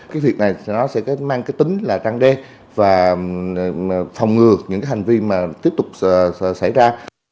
cái việc này nó sẽ mang cái tính là trăng đen và phòng ngừa những hành vi mà tiếp tục xảy ra